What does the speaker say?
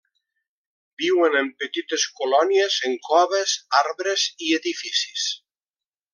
Viuen en petites colònies en coves, arbres i edificis.